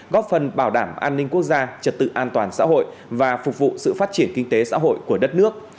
góp phần bảo đảm an ninh quốc gia trật tự an toàn xã hội và phục vụ sự phát triển kinh tế xã hội của đất nước